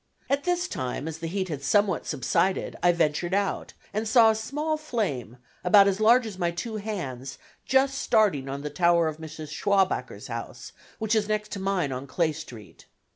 At this time, as the heat had somewhat subsided, I ventured out, and saw a small flame, about as large as my two hands, just starting on the tower of Mrs. Schwabacher's house, which is next to mine on Clay Street.